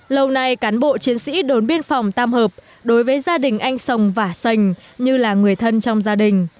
lâu nay cán bộ chiến sĩ đồn biên phòng tam hợp đối với gia đình anh sồng vả sành như là người thân trong gia đình